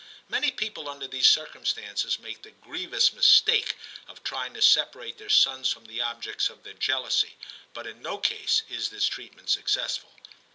Many people under these circumstances make the grievous mistake of trying to separate their sons from the objects of their jealousy, but in no case is this treatment successful.